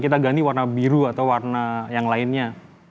kita ganti warna biru atau warna yang lainnya